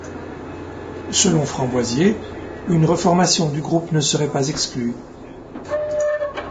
Selon Framboisier, une reformation du groupe ne serait pas exclue.